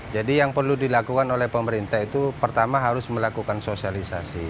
jadi yang perlu dilakukan oleh pemerintah itu pertama harus melakukan sosialisasi